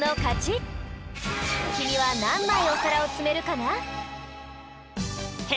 きみはなんまいおさらをつめるかな？へ